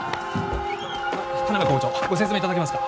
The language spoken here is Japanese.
田邊校長ご説明いただけますか？